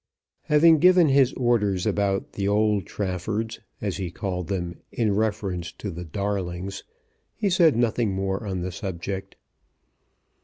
Having given his orders about the old Traffords, as he called them in reference to the "darlings," he said nothing more on the subject.